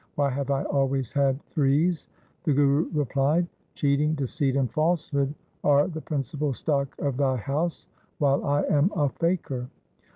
Why have I always had threes ?' The Guru replied, ' Cheating, deceit, and falsehood are the principal stock of thy house, while I am a faqir.'